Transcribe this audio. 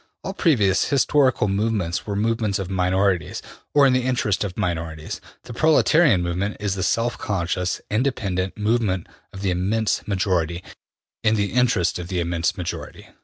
All previous historical movements were movements of minorities, or in the interest of minorities. The proletarian movement is the self conscious, independent movement of the immense majority, in the interest of the immense majority.